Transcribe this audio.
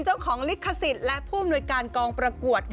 เจ้าของลิขสิทธิ์และผู้อำนวยการกองประกวด